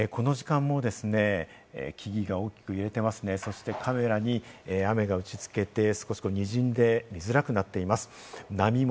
この時間もですね、木々が大きく揺れていますね、そしてカメラに雨が打ち付けて、少しにじんで見づらくなっています。